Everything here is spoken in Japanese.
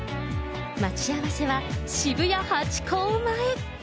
待ち合わせは渋谷ハチ公前。